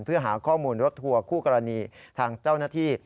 เพื่อหาข้อมูลรถทัวร์คู่กรณีทางเจ้าหน้าที่